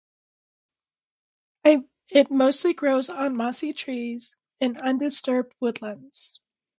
It mostly grows on mossy trees in undisturbed woodlands.